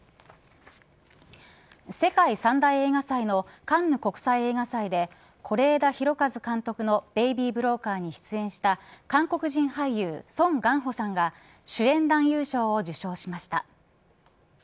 世界三大映画祭のカンヌ国際映画祭で是枝裕和監督のベイビー・ブローカーに出演した韓国人俳優ソン・ガンホさんが主演男優賞を受賞しました。